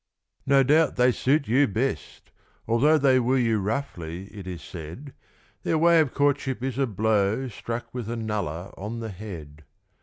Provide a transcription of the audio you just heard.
No doubt they suit you best although They woo you roughly it is said: Their way of courtship is a blow Struck with a nullah on the head.